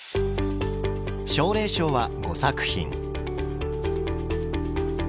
奨励賞は５作品。